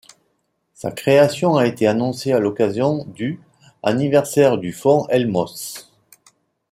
Sa création a été annoncée à l'occasion du anniversaire du Fonds Helmholtz.